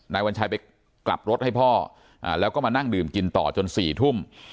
วัญชัยไปกลับรถให้พ่อแล้วก็มานั่งดื่มกินต่อจน๔ทุ่ม